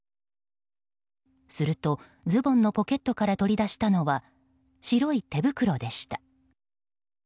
すると、ズボンのポケットから取り出したのは白い手袋でした。